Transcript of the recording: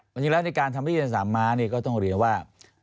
จริงแล้วในการทำให้ที่สนามมานี่ก็ต้องเรียนว่า